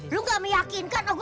lu gak meyakinkan